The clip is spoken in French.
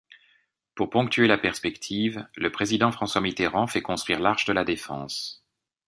Pour ponctuer la perspective, le président François Mitterrand fait construire l'Arche de la Défense.